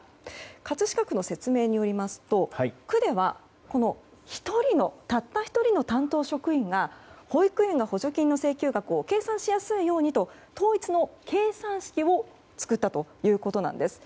葛飾区の説明によりますと区では、たった１人の担当職員が保育園の補助金の請求額を計算しやすいようにと統一の計算式を作ったということなんです。